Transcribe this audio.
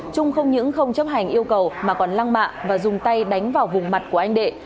trung không những không chấp hành yêu cầu mà còn lăng mạ và dùng tay đánh vào vùng mặt của anh đệ